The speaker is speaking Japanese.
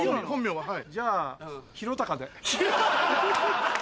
はい。